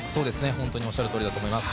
ホントにおっしゃるとおりだと思います。